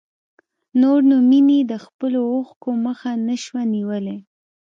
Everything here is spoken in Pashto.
نور نو مينې د خپلو اوښکو مخه نه شوای نيولی.